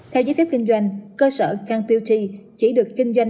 theo giấy phép kinh doanh cơ sở canpeogy chỉ được kinh doanh